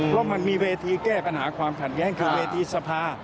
เพราะมันมีเวทีแก้ปัญหาความขัดแย้งคือเวทีสภา